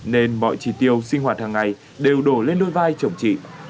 nên mọi chi tiêu sinh hoạt hàng ngày đều đổ lên đôi vai chồng chị